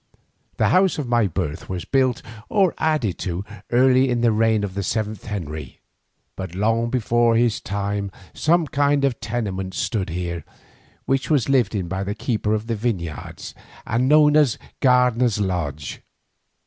The house of my birth was built or added to early in the reign of the seventh Henry, but long before his time some kind of tenement stood here, which was lived in by the keeper of the vineyards, and known as Gardener's Lodge.